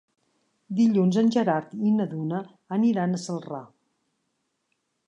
Dilluns en Gerard i na Duna aniran a Celrà.